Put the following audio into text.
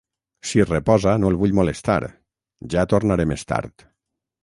Si reposa, no el vull molestar; ja tornaré més tard.